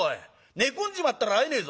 寝込んじまったら会えねえぞ。